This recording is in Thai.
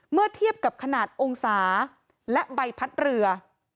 เมื่อเทียบกับขนาดองศาและใบพัดเรือ